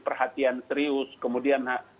perhatian serius kemudian